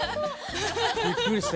びっくりした。